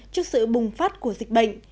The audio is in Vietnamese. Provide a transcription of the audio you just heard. trước sự bùng phát của dịch bệnh